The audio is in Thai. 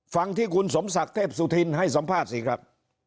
ฟังที่คุณสมศักดิ์เทพสุธินให้สัมภาษณ์สิครับ